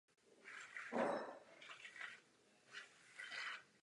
Jako esenciální mastné kyseliny jsou přítomny ve větším či menším množství v každé rostlině.